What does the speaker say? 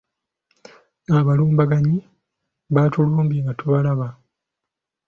Abalumbaganyi baatulumbye nga tubalaba.